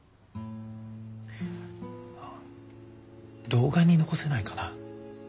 動画に残せないかな。